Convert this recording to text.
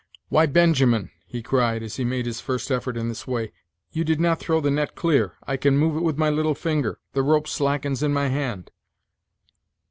"Why, Benjamin," he cried, as he made his first effort in this way, "you did not throw the net clear. I can move it with my little finger. The rope slackens in my hand."